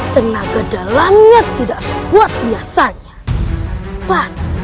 tenaga dalamnya tidak sebuat biasanya